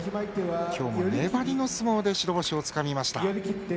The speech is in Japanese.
今日も粘りの相撲で白星をつかみました。